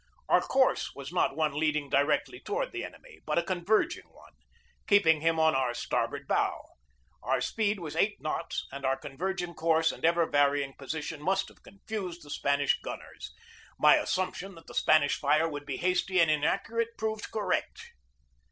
Our course was not one leading directly toward the enemy, but a con verging one, keeping him on our starboard bow. Our speed was eight knots and our converging course and ever varying position must have confused the Spanish gunners. My assumption that the Spanish fire would be hasty and inaccurate proved correct.